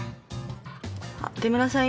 出村さん